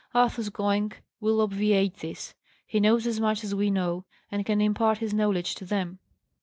Arthur's going will obviate this. He knows as much as we know, and can impart his knowledge to them."